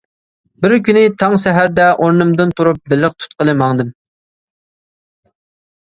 بىر كۈنى تاڭ سەھەردە ئورنۇمدىن تۇرۇپ بېلىق تۇتقىلى ماڭدىم.